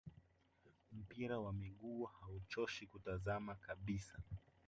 Mpira wa miguu hauchoshi kutazama kabisa